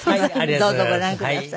どうぞご覧ください。